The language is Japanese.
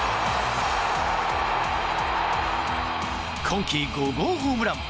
今季５号ホームラン。